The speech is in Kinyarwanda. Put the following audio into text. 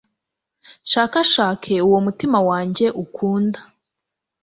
nshakashake uwo umutima wanjye ukunda